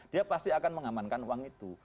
dia pasti akan mengamankan uang itu